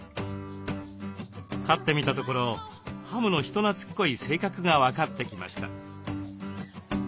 飼ってみたところハムの人なつっこい性格が分かってきました。